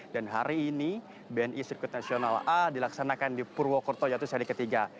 dan hari ini bni sirkuit nasional a dilaksanakan di purwokerto yaitu seri ketiga